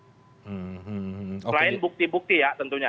selain bukti bukti ya tentunya